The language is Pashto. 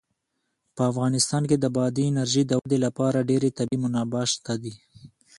په افغانستان کې د بادي انرژي د ودې لپاره ډېرې طبیعي منابع شته دي.